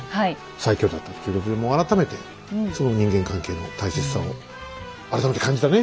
最強だったということでもう改めて人間関係の大切さを改めて感じたね。